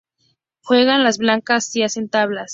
Juegan las blancas y hacen tablas.